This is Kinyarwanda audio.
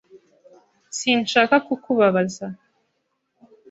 Sinshaka kukubabaza